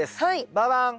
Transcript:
ババン！